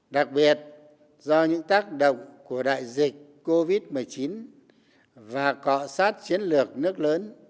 đặc biệt do những tác động của đại dịch covid một mươi chín và cọ sát chiến lược nước lớn